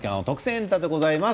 エンタ」でございます。